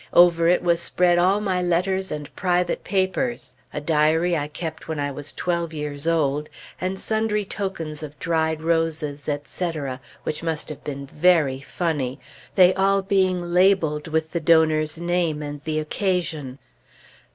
Over it was spread all my letters, and private papers, a diary I kept when twelve years old, and sundry tokens of dried roses, etc., which must have been very funny, they all being labeled with the donor's name, and the occasion.